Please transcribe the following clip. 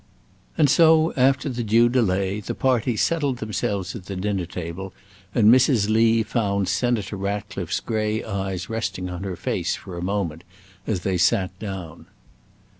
And so, after the due delay, the party settled themselves at the dinner table, and Mrs. Lee found Senator Ratcliffe's grey eyes resting on her face for a moment as they sat down.